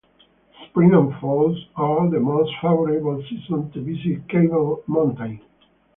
Spring and fall are the most favorable seasons to visit Cable Mountain.